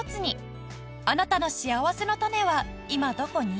あなたのしあわせのたねは今どこに？